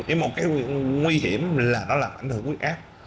nhưng một cái nguy hiểm là nó làm ảnh hưởng quyết áp